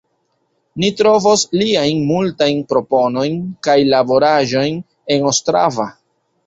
Ni trovos liajn multajn proponojn kaj laboraĵojn en Ostrava.